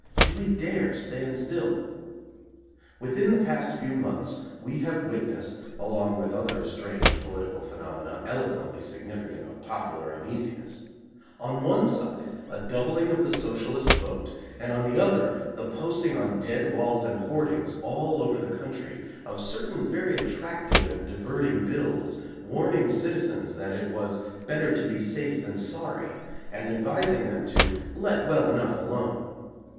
Do we dare stand still? Within the past few months we have witnessed (along with other strange political phenomena, eloquently significant of popular uneasiness) on one side a doubling of the Socialist vote and on the other the posting on dead walls and hoardings all over the country of certain very attractive and diverting bills warning citizens that it was "better to be safe than sorry" and advising them to "let well enough alone."